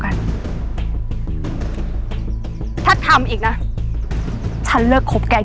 ฉันจะตัดพ่อตัดลูกกับแกเลย